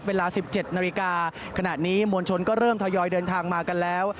เวลา๑๗นาฬิกาขณะนี้มวลชนก็เริ่มทยอยเดินทางมากันแล้ว